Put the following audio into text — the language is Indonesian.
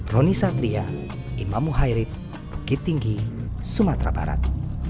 roni satria imam muhairib bukit tinggi sumatera barat